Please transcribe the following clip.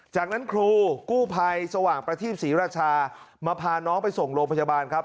จากนั้นครูกู้ภัยสว่างประทีปศรีราชามาพาน้องไปส่งโรงพยาบาลครับ